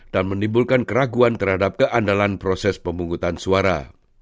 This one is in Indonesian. dan menimbulkan keraguan terhadap keandalan proses pemungkutan suara